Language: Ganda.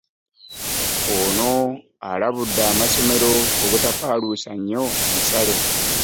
Ono alabudde amasomero obutapaaluusa nnyo bisale